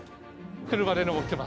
車で登ってます。